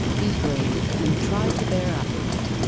Be brave and try to bear up."